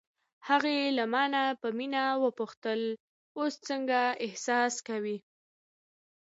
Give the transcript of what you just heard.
هغې له مانه په مینه وپوښتل: اوس څنګه احساس کوې؟